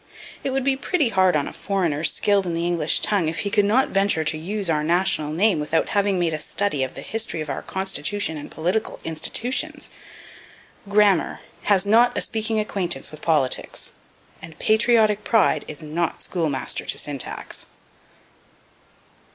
It would be pretty hard on a foreigner skilled in the English tongue if he could not venture to use our national name without having made a study of the history of our Constitution and political institutions. Grammar has not a speaking acquaintance with politics, and patriotic pride is not schoolmaster to syntax.